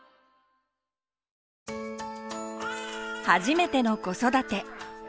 初めての子育て。